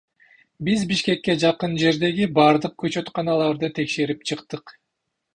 Биз Бишкекке жакын жердеги бардык көчөтканаларды текшерип чыктык.